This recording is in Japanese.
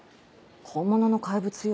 本物の怪物よ。